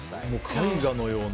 絵画のような。